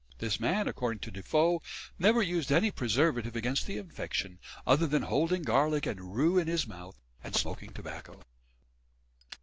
This man, according to Defoe, "never used any preservative against the infection other than holding garlic and rue in his mouth, and smoking tobacco."